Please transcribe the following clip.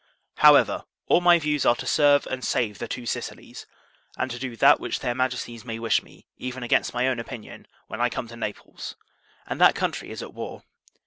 However, all my views are to serve and save the Two Sicilies; and to do that which their Majesties may wish me, even against my own opinion, when I come to Naples, and that country is at war.